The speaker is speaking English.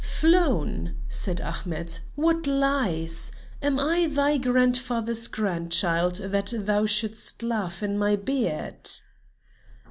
"Flown?" said Ahmet, "what lies! Am I thy grandfather's grandchild that thou shouldst laugh in my beard?"